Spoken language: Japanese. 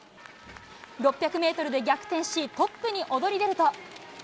６００メートルで逆転し、トップに躍り出ると。